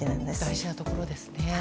大事なところですね。